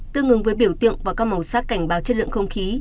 tương ứng với biểu tượng và các màu sắc cảnh báo chất lượng không khí